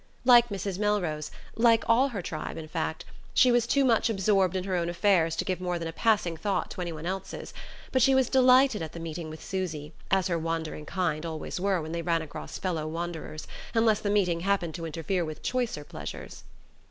Like Mrs. Melrose, like all her tribe in fact, she was too much absorbed in her own affairs to give more than a passing thought to any one else's; but she was delighted at the meeting with Susy, as her wandering kind always were when they ran across fellow wanderers, unless the meeting happened to interfere with choicer pleasures.